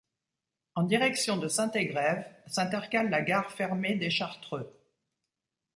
En direction de Saint-Égrève, s'intercale la gare fermée des Chartreux.